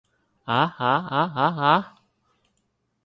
啊啊啊啊啊